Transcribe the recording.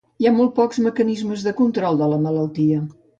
Hi ha molt pocs mecanismes de control de la malaltia.